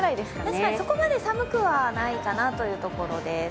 確かにそこまで寒くはないかなというところです。